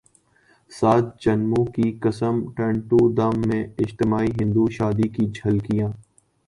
سات جنموں کی قسم ٹنڈو دم میں اجتماعی ہندو شادی کی جھلکیاں